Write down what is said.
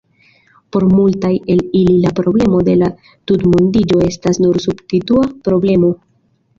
Por multaj el ili la problemo de la tutmondiĝo estas nur substitua problemo.